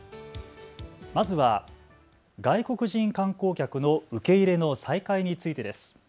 まずは外国人観光客の受け入れの再開についてです。